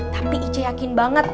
tapi ice yakin banget